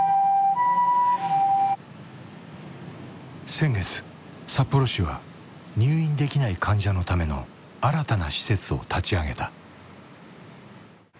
先月札幌市は入院できない患者のための新たな施設を立ち上げた。